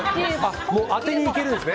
当てにいけるんですね。